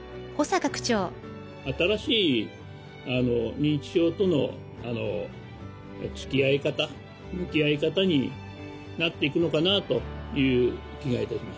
新しい認知症とのつきあい方向き合い方になっていくのかなという気が致します。